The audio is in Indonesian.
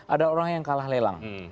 ada orang yang kalah lelang